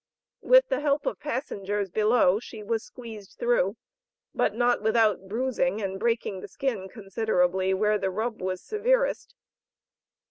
With the help of passengers below, she was squeezed through, but not without bruising and breaking the skin considerably where the rub was severest.